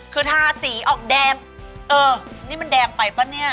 คือทาสีออกแดงเออนี่มันแดงไปป่ะเนี่ย